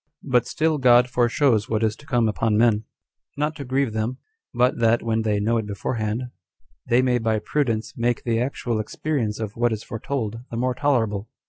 But still God foreshows what is to come upon men, not to grieve them, but that, when they know it beforehand, they may by prudence make the actual experience of what is foretold the more tolerable.